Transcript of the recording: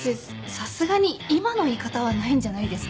さすがに今の言い方はないんじゃないですか？